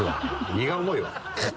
荷が重いわ。